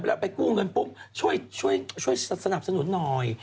แล้วไปกู้เงินปุ๊บช่วยสนับสนุนหน่อย